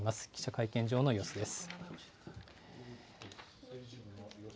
記者会見場の様子です。